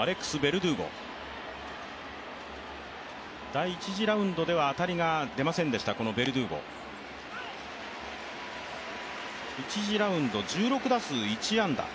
第１次ラウンドでは当たりが出ませんでした、このベルドゥーゴ１次ラウンド１６打数１安打。